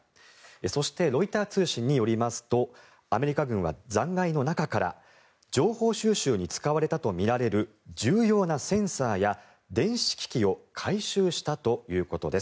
そしてロイター通信によりますとアメリカ軍は残骸の中から情報収集に使われたとみられる重要なセンサーや電子機器を回収したということです。